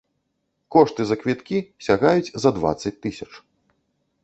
Кошты за квіткі сягаюць за дваццаць тысяч.